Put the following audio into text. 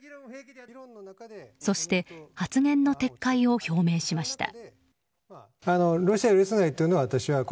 そして発言の撤回を表明しました。